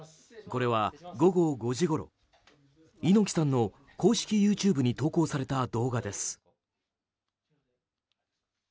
これは、午後５時ごろ猪木さんの公式ＹｏｕＴｕｂｅに投稿された動画です。